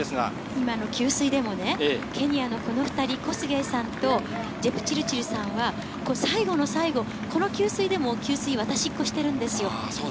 今の給水でもケニアのこの２人、コスゲイさんとジェプチルチルさんは、最後の最後、この給水でも渡しっこしてるんです。